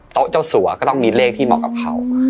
เจ้าสัวก็ต้องมีเลขที่เหมาะกับเขา